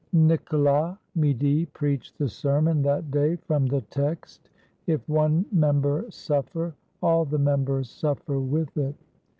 Nicolas Midi preached the sermon that day from the text: "If one member suffer, all the members suffer with it."